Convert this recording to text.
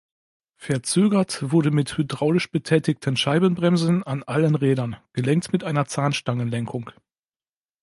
Verzögert wurde mit hydraulisch betätigten Scheibenbremsen an allen Rädern, gelenkt mit einer Zahnstangenlenkung.